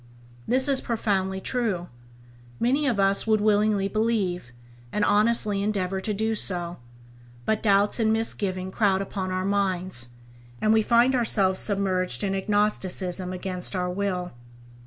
This is profoundly true; many of us would willingly believe, and honestly endeavour to do so; but doubts and misgivings crowd upon our minds, and we find ourselves submerged in Agnosticism against our will.